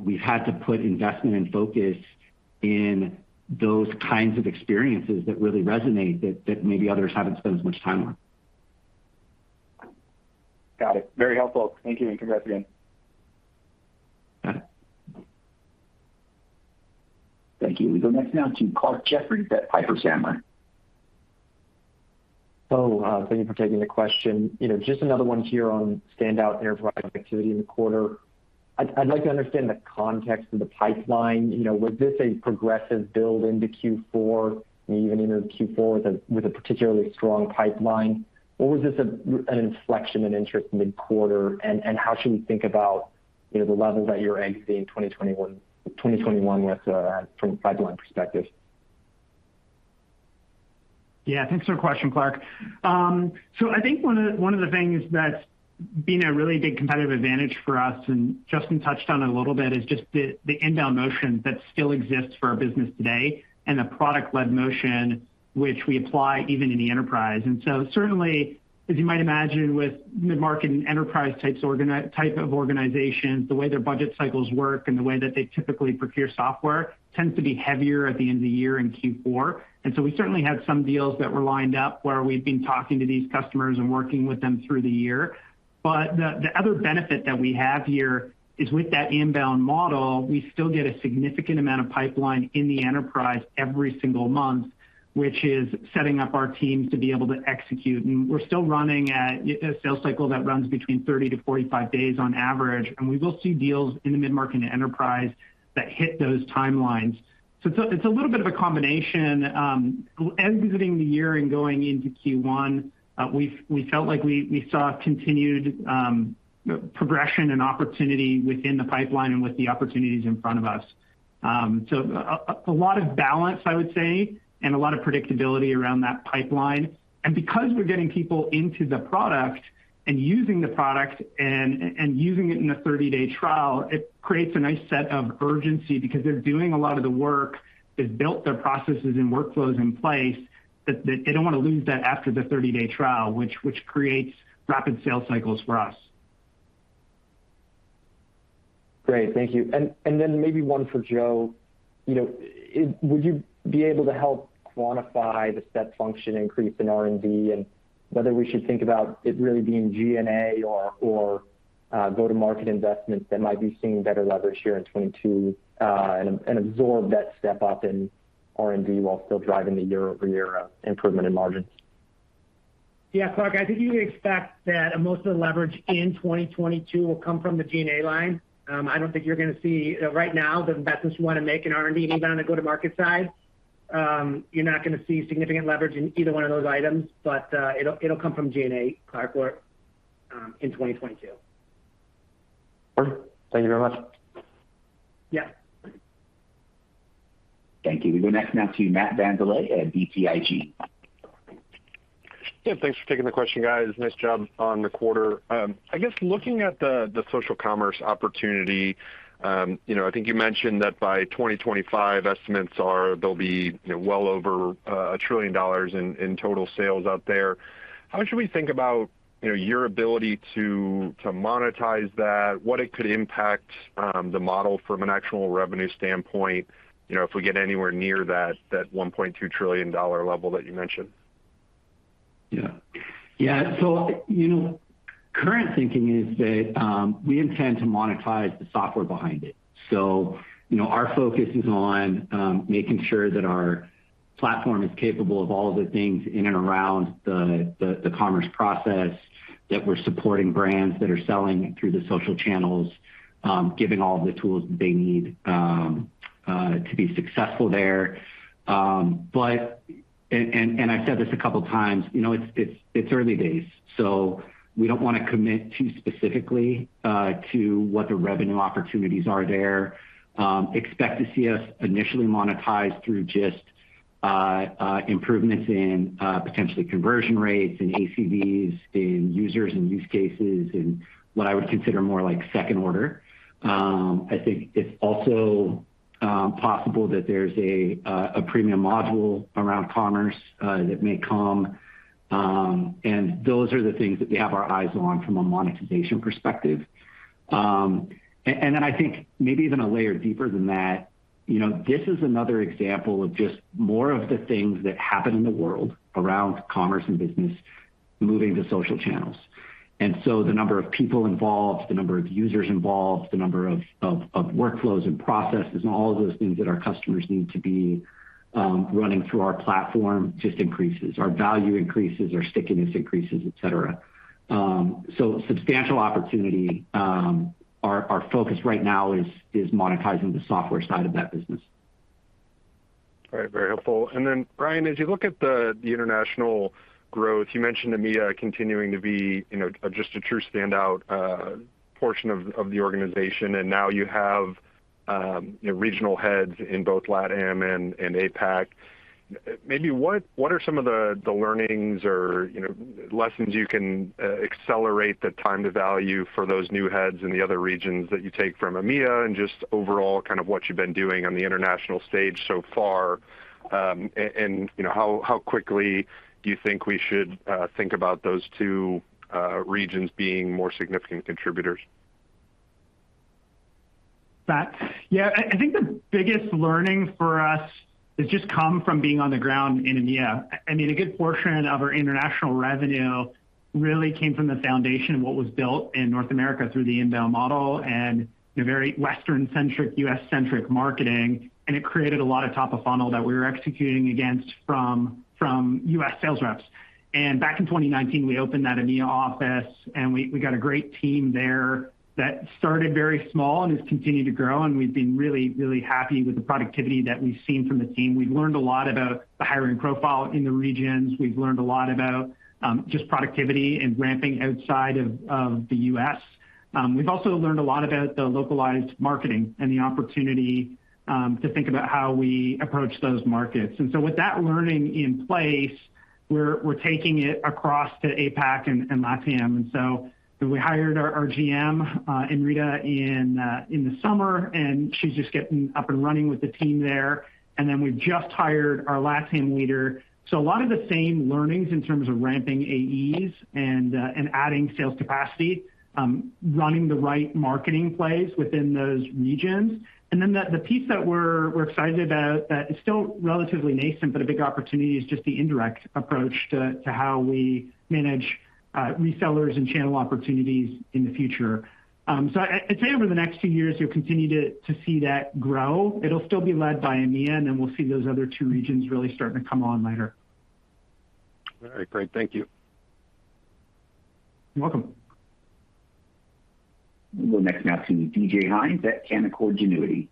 we've had to put investment and focus in those kinds of experiences that really resonate that maybe others haven't spent as much time on. Got it. Very helpful. Thank you, and congrats again. Got it. Thank you. We go next now to Clarke Jeffries at Piper Sandler. Thank you for taking the question. You know, just another one here on standout enterprise activity in the quarter. I'd like to understand the context of the pipeline. You know, was this a progressive build into Q4, maybe even into Q4 with a particularly strong pipeline? Or was this an inflection in interest mid-quarter? And how should we think about, you know, the levels that you're exiting 2021 with from a pipeline perspective? Yeah. Thanks for the question, Clark. I think one of the things that's been a really big competitive advantage for us, and Justin touched on it a little bit, is just the inbound motion that still exists for our business today and the product-led motion which we apply even in the enterprise. Certainly, as you might imagine with mid-market and enterprise type of organizations, the way their budget cycles work and the way that they typically procure software tends to be heavier at the end of the year in Q4. We certainly had some deals that were lined up where we'd been talking to these customers and working with them through the year. The other benefit that we have here is with that inbound model, we still get a significant amount of pipeline in the enterprise every single month, which is setting up our teams to be able to execute. We're still running at a sales cycle that runs between 30-45 days on average, and we will see deals in the mid-market and enterprise that hit those timelines. It's a little bit of a combination. Ending the year and going into Q1, we felt like we saw continued progression and opportunity within the pipeline and with the opportunities in front of us. A lot of balance, I would say, and a lot of predictability around that pipeline. Because we're getting people into the product and using the product and using it in a 30-day trial, it creates a nice set of urgency because they're doing a lot of the work. They've built their processes and workflows in place that they don't wanna lose that after the 30-day trial, which creates rapid sales cycles for us. Great. Thank you. Then maybe one for Joe. You know, would you be able to help quantify the step function increase in R&D, and whether we should think about it really being G&A or go-to-market investments that might be seeing better leverage here in 2022, and absorb that step up in R&D while still driving the year-over-year improvement in margins? Yeah, Clarke, I think you would expect that most of the leverage in 2022 will come from the G&A line. I don't think you're gonna see right now, the investments we wanna make in R&D and even on the go-to-market side, you're not gonna see significant leverage in either one of those items. It'll come from G&A, Clarke, where in 2022. Great. Thank you very much. Yeah. Thank you. We go next now to Matt VanVliet at BTIG. Yeah. Thanks for taking the question, guys. Nice job on the quarter. I guess looking at the social commerce opportunity, you know, I think you mentioned that by 2025, estimates are there'll be, you know, well over $1 trillion in total sales out there. How should we think about, you know, your ability to monetize that, what it could impact the model from an actual revenue standpoint, you know, if we get anywhere near that $1.2 trillion level that you mentioned? You know, current thinking is that we intend to monetize the software behind it. You know, our focus is on making sure that our platform is capable of all of the things in and around the commerce process, that we're supporting brands that are selling through the social channels, giving all the tools they need to be successful there. But I've said this a couple times, you know, it's early days, so we don't wanna commit too specifically to what the revenue opportunities are there. Expect to see us initially monetize through just improvements in potentially conversion rates and ACVs in users and use cases, and what I would consider more like second order. I think it's also possible that there's a premium module around commerce that may come. Those are the things that we have our eyes on from a monetization perspective. I think maybe even a layer deeper than that, you know, this is another example of just more of the things that happen in the world around commerce and business moving to social channels. The number of people involved, the number of users involved, the number of workflows and processes, and all of those things that our customers need to be running through our platform just increases. Our value increases, our stickiness increases, et cetera. Substantial opportunity. Our focus right now is monetizing the software side of that business. All right. Very helpful. Then Ryan, as you look at the international growth, you mentioned EMEA continuing to be, you know, a just a true standout portion of the organization. Now you have, you know, regional heads in both LATAM and APAC. Maybe what are some of the learnings or, you know, lessons you can accelerate the time to value for those new heads in the other regions that you take from EMEA and just overall kind of what you've been doing on the international stage so far. And you know, how quickly do you think we should think about those two regions being more significant contributors? I think the biggest learning for us has just come from being on the ground in EMEA. I mean, a good portion of our international revenue really came from the foundation of what was built in North America through the inbound model and the very Western-centric, U.S.-centric marketing, and it created a lot of top of funnel that we were executing against from U.S. sales reps. Back in 2019, we opened that EMEA office, and we got a great team there that started very small and has continued to grow, and we've been really, really happy with the productivity that we've seen from the team. We've learned a lot about the hiring profile in the regions. We've learned a lot about just productivity and ramping outside of the U.S. We've also learned a lot about the localized marketing and the opportunity to think about how we approach those markets. With that learning in place, we're taking it across to APAC and LATAM. We hired our GM, Enrita in the summer, and she's just getting up and running with the team there. We've just hired our LATAM leader. A lot of the same learnings in terms of ramping AEs and adding sales capacity, running the right marketing plays within those regions. The piece that we're excited about that is still relatively nascent, but a big opportunity is just the indirect approach to how we manage resellers and channel opportunities in the future. I'd say over the next two years, you'll continue to see that grow. It'll still be led by EMEA, and then we'll see those other two regions really starting to come on later. All right. Great. Thank you. You're welcome. We'll go next now to DJ Hynes at Canaccord Genuity.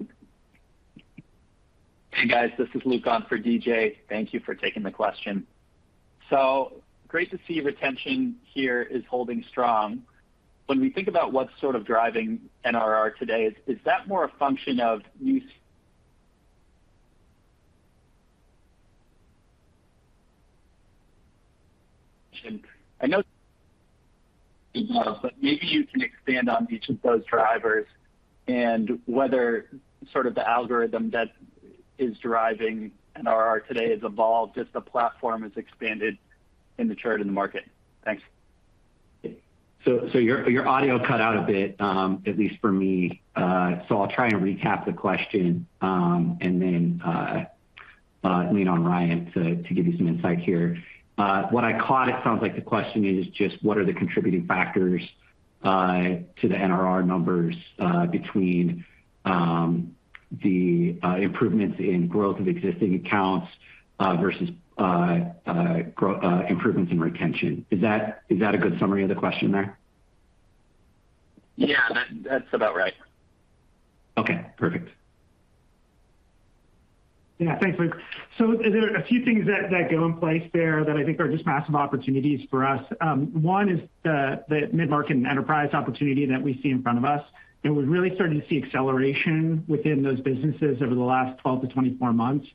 Hey, guys. This is Luke on for DJ. Thank you for taking the question. Great to see retention here is holding strong. When we think about what's sort of driving NRR today, is that more a function of new, you know, but maybe you can expand on each of those drivers and whether sort of the algorithm that is driving NRR today has evolved as the platform has expanded and matured in the market. Thanks. Your audio cut out a bit, at least for me. I'll try and recap the question, and then lean on Ryan to give you some insight here. What I caught, it sounds like the question is just what are the contributing factors to the NRR numbers between the improvements in growth of existing accounts versus improvements in retention. Is that a good summary of the question there? Yeah. That's about right. Okay. Perfect. Thanks, Luke. There are a few things that go in place there that I think are just massive opportunities for us. One is the mid-market and enterprise opportunity that we see in front of us, and we're really starting to see acceleration within those businesses over the last 12-24 months.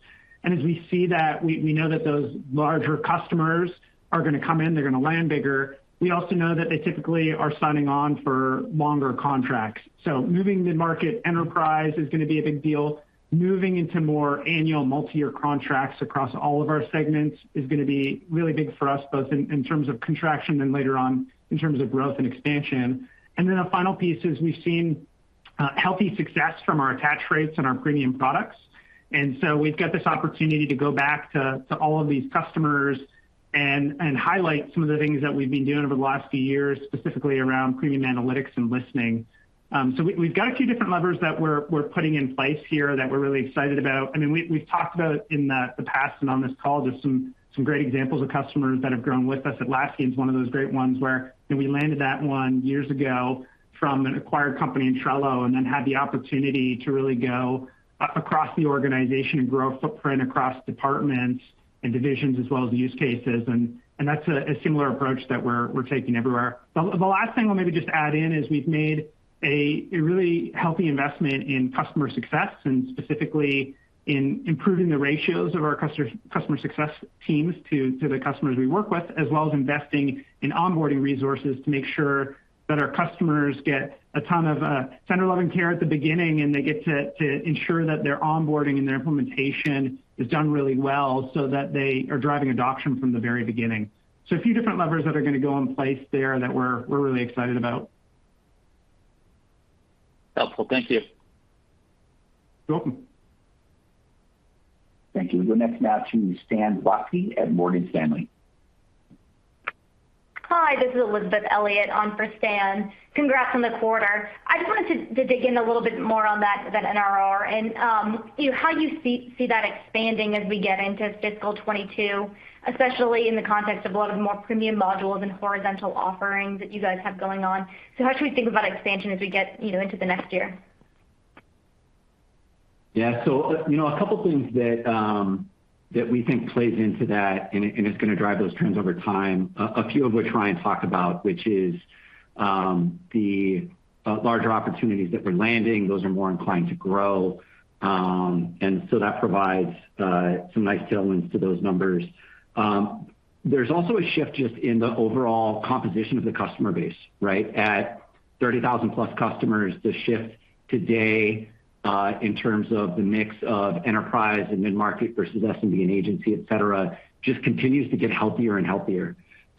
As we see that, we know that those larger customers are gonna come in, they're gonna land bigger. We also know that they typically are signing on for longer contracts. Moving mid-market enterprise is gonna be a big deal. Moving into more annual multi-year contracts across all of our segments is gonna be really big for us, both in terms of contraction and later on in terms of growth and expansion. Then a final piece is we've seen healthy success from our attach rates and our premium products. We've got this opportunity to go back to all of these customers and highlight some of the things that we've been doing over the last few years, specifically around premium analytics and listening. We've got a few different levers that we're putting in place here that we're really excited about. I mean, we've talked about in the past and on this call, just some great examples of customers that have grown with us. Atlassian is one of those great ones where, you know, we landed that one years ago from an acquired company in Trello, and then had the opportunity to really go across the organization and grow footprint across departments and divisions as well as use cases. That's a similar approach that we're taking everywhere. The last thing I'll maybe just add in is we've made a really healthy investment in customer success, and specifically in improving the ratios of our customer success teams to the customers we work with, as well as investing in onboarding resources to make sure that our customers get a ton of tender loving care at the beginning, and they get to ensure that their onboarding and their implementation is done really well so that they are driving adoption from the very beginning. A few different levers that are gonna go in place there that we're really excited about. Helpful. Thank you. You're welcome. Thank you. We'll go next now to Stan Zlotsky at Morgan Stanley. Hi, this is Elizabeth Porter on for Stan. Congrats on the quarter. I just wanted to dig in a little bit more on that NRR and, you know, how you see that expanding as we get into fiscal 2022, especially in the context of a lot of more premium modules and horizontal offerings that you guys have going on. How should we think about expansion as we get, you know, into the next year? Yeah. You know, a couple things that we think plays into that and it's gonna drive those trends over time, a few of which Ryan talked about, which is, the larger opportunities that we're landing, those are more inclined to grow. That provides some nice tailwinds to those numbers. There's also a shift just in the overall composition of the customer base, right? At 30,000+ customers, the shift today, in terms of the mix of enterprise and mid-market versus SMB and agency, etc., just continues to get healthier and healthier.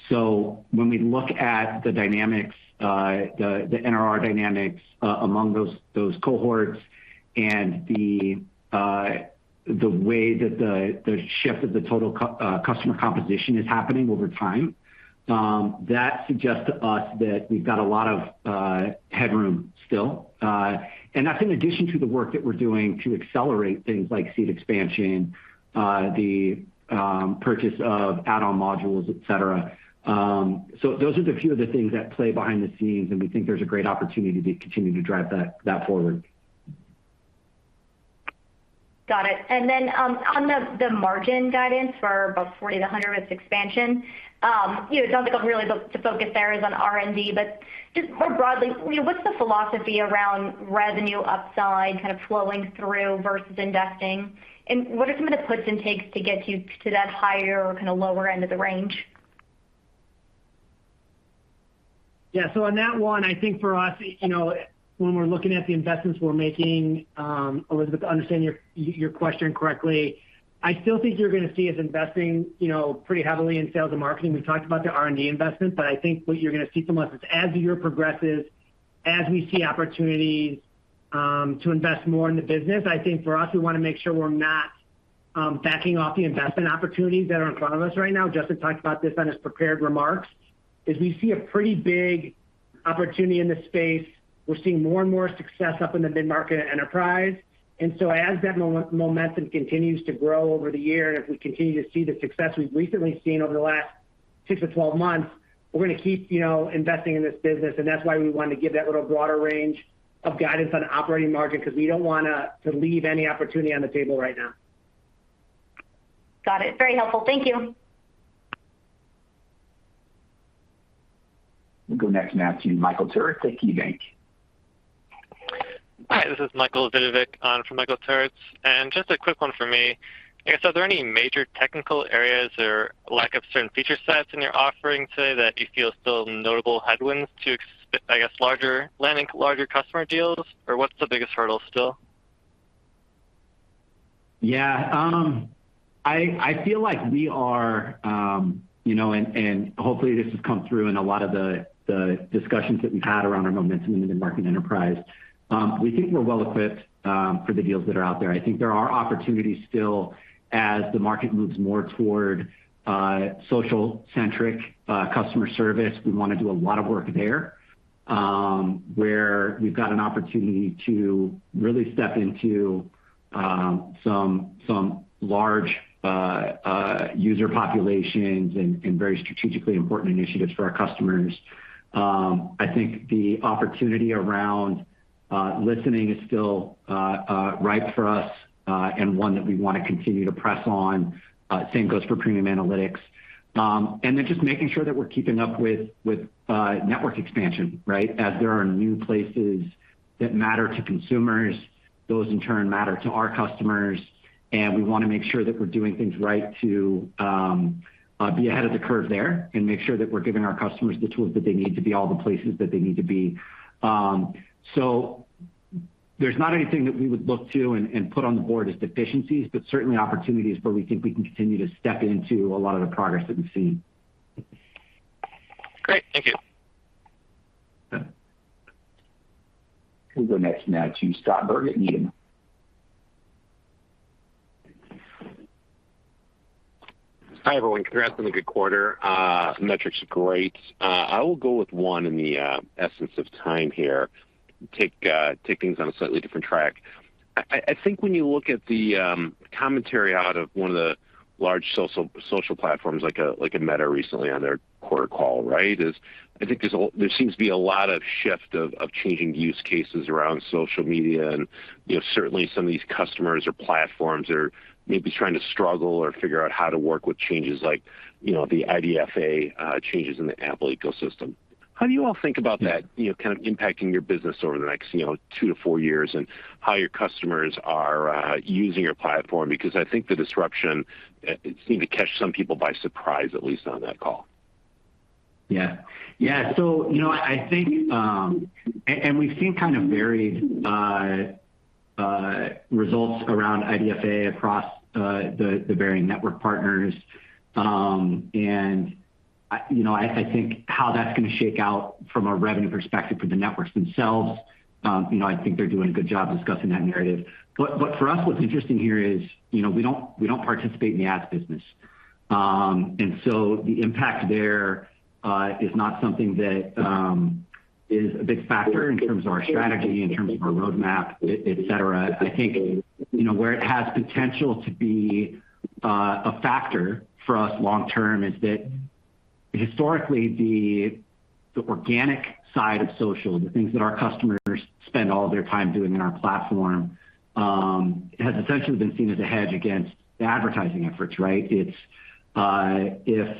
When we look at the dynamics, the NRR dynamics among those cohorts and the way that the shift of the total customer composition is happening over time, that suggests to us that we've got a lot of headroom still. That's in addition to the work that we're doing to accelerate things like seat expansion, the purchase of add-on modules, et cetera. Those are a few of the things that play behind the scenes, and we think there's a great opportunity to continue to drive that forward. Got it. On the margin guidance for about 40-100 with expansion, you know, it sounds like a really big focus there is on R&D, but just more broadly, you know, what's the philosophy around revenue upside kind of flowing through versus investing? What are some of the puts and takes to get you to that higher or kinda lower end of the range? Yeah. On that one, I think for us, you know, when we're looking at the investments we're making, Elizabeth, to understand your question correctly, I still think you're gonna see us investing, you know, pretty heavily in sales and marketing. We've talked about the R&D investments, but I think what you're gonna see from us is as the year progresses, as we see opportunities, to invest more in the business, I think for us, we wanna make sure we're not backing off the investment opportunities that are in front of us right now. Justin talked about this in his prepared remarks, is we see a pretty big opportunity in this space. We're seeing more and more success up in the mid-market enterprise. As that momentum continues to grow over the year, and if we continue to see the success we've recently seen over the last 6-12 months, we're gonna keep, you know, investing in this business. That's why we wanted to give that little broader range of guidance on operating margin because we don't want to leave any opportunity on the table right now. Got it. Very helpful. Thank you. We'll go next now to Michael Turits at KeyBanc. Hi, this is Michael Turits from KeyBanc. Just a quick one for me. I guess are there any major technical areas or lack of certain feature sets in your offering today that you feel still notable headwinds to, I guess, landing larger customer deals? Or what's the biggest hurdle still? Yeah. I feel like we are, you know, and hopefully this has come through in a lot of the discussions that we've had around our momentum in the mid-market enterprise. We think we're well equipped for the deals that are out there. I think there are opportunities still as the market moves more toward social-centric customer service. We wanna do a lot of work there, where we've got an opportunity to really step into some large user populations and very strategically important initiatives for our customers. I think the opportunity around listening is still ripe for us, and one that we wanna continue to press on. Same goes for premium analytics. Just making sure that we're keeping up with network expansion, right? As there are new places that matter to consumers, those in turn matter to our customers, and we wanna make sure that we're doing things right to be ahead of the curve there and make sure that we're giving our customers the tools that they need to be all the places that they need to be. There's not anything that we would look to and put on the board as deficiencies, but certainly opportunities where we think we can continue to step into a lot of the progress that we've seen. Great. Thank you. Okay. We'll go next now to Scott Berg at Needham. Hi, everyone. Congrats on a good quarter. Metrics are great. I will go with one in the essence of time here. Take things on a slightly different track. I think when you look at the commentary out of one of the large social platforms like Meta recently on their quarter call, right, I think there seems to be a lot of shift of changing use cases around social media and, you know, certainly some of these customers or platforms are maybe trying to struggle or figure out how to work with changes like, you know, the IDFA changes in the Apple ecosystem. How do you all think about that, you know, kind of impacting your business over the next, you know, two to four years and how your customers are using your platform? Because I think the disruption, it seemed to catch some people by surprise, at least on that call. I think, and we've seen kind of varied results around IDFA across the varying network partners. I, you know, I think how that's gonna shake out from a revenue perspective for the networks themselves, you know, I think they're doing a good job discussing that narrative. But for us, what's interesting here is, you know, we don't participate in the ads business. The impact there is not something that is a big factor in terms of our strategy, in terms of our roadmap, et cetera. I think, you know, where it has potential to be a factor for us long term is that historically the organic side of social, the things that our customers spend all of their time doing in our platform, has essentially been seen as a hedge against the advertising efforts, right? It's if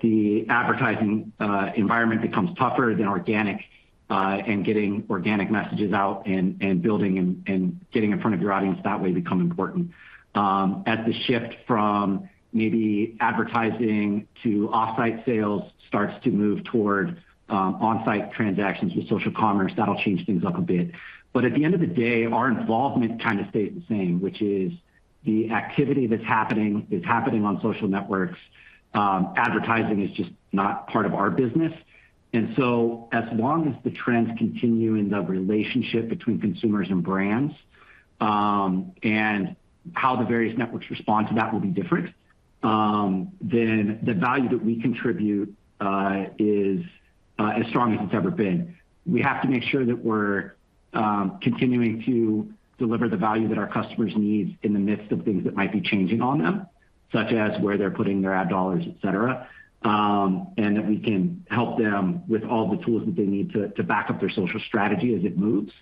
the advertising environment becomes tougher than organic and getting organic messages out and building and getting in front of your audience that way become important. As the shift from maybe advertising to off-site sales starts to move toward on-site transactions with social commerce, that'll change things up a bit. At the end of the day, our involvement kind of stays the same, which is the activity that's happening is happening on social networks. Advertising is just not part of our business. As long as the trends continue in the relationship between consumers and brands, and how the various networks respond to that will be different, then the value that we contribute is as strong as it's ever been. We have to make sure that we're continuing to deliver the value that our customers need in the midst of things that might be changing on them, such as where they're putting their ad dollars, et cetera, and that we can help them with all the tools that they need to back up their social strategy as it moves.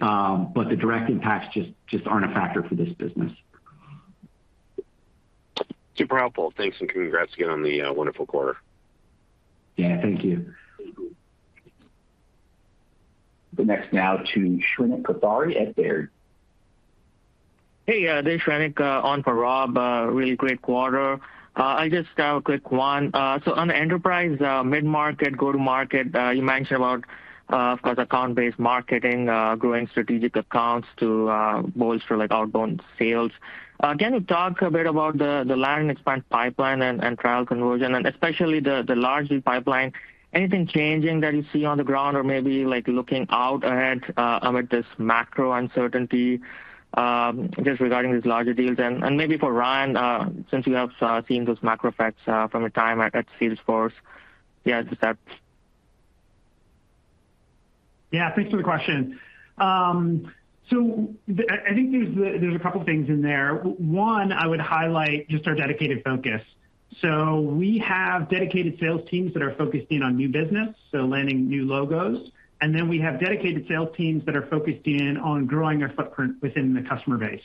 The direct impacts just aren't a factor for this business. Super helpful. Thanks, and congrats again on the wonderful quarter. Yeah, thank you. Next now to Shrenik Kothari at Baird. Hey, yeah. This is Shrenik on for Rob. Really great quarter. I just have a quick one. On enterprise, mid-market, go-to-market, you mentioned about, of course, account-based marketing, growing strategic accounts to bolster like outbound sales. Can you talk a bit about the land and expand pipeline and trial conversion, and especially the larger pipeline. Anything changing that you see on the ground or maybe like looking out ahead, amid this macro uncertainty, just regarding these larger deals? Maybe for Ryan, since you have seen those macro effects, from your time at Salesforce. Yeah, just that. Yeah. Thanks for the question. I think there's a couple things in there. One, I would highlight just our dedicated focus. We have dedicated sales teams that are focused in on new business, so landing new logos. We have dedicated sales teams that are focused in on growing our footprint within the customer base.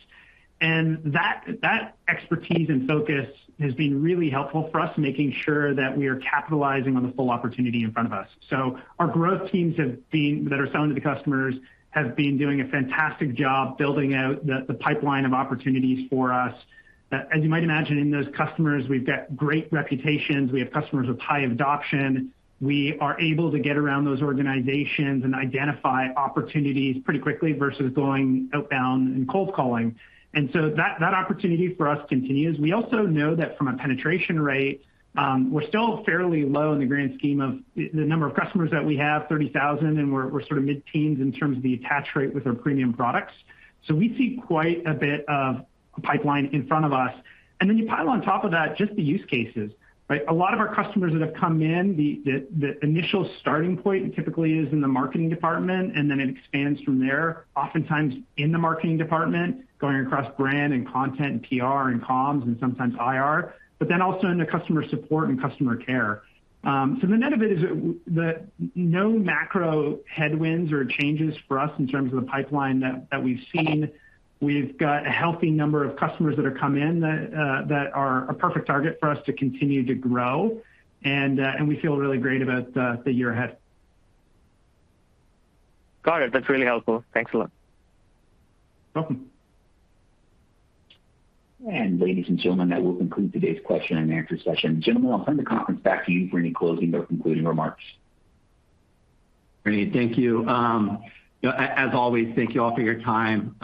That expertise and focus has been really helpful for us, making sure that we are capitalizing on the full opportunity in front of us. Our growth teams that are selling to the customers have been doing a fantastic job building out the pipeline of opportunities for us. As you might imagine in those customers, we've got great reputations. We have customers with high adoption. We are able to get around those organizations and identify opportunities pretty quickly versus going outbound and cold calling. That opportunity for us continues. We also know that from a penetration rate, we're still fairly low in the grand scheme of the number of customers that we have, 30,000, and we're sort of mid-teens in terms of the attach rate with our premium products. We see quite a bit of pipeline in front of us. You pile on top of that just the use cases, right? A lot of our customers that have come in, the initial starting point typically is in the marketing department, and then it expands from there, oftentimes in the marketing department, going across brand and content and PR and comms and sometimes IR, but then also into customer support and customer care. The net of it is that no macro headwinds or changes for us in terms of the pipeline that we've seen. We've got a healthy number of customers that are come in that are a perfect target for us to continue to grow. We feel really great about the year ahead. Got it. That's really helpful. Thanks a lot. Welcome. Ladies and gentlemen, that will conclude today's question and answer session. Jim, I'll hand the conference back to you for any closing or concluding remarks. Great. Thank you. You know, as always, thank you all for your time.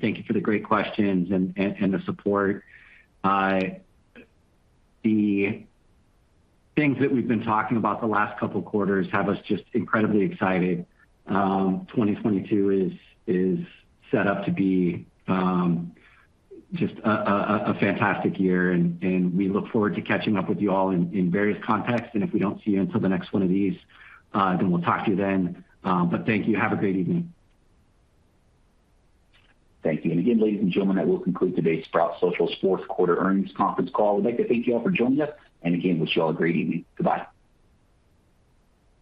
Thank you for the great questions and the support. The things that we've been talking about the last couple quarters have us just incredibly excited. 2022 is set up to be just a fantastic year, and we look forward to catching up with you all in various contexts. If we don't see you until the next one of these, then we'll talk to you then. Thank you. Have a great evening. Thank you. Again, ladies and gentlemen, that will conclude today's Sprout Social's fourth quarter earnings conference call. We'd like to thank you all for joining us, and again, wish you all a great evening. Goodbye.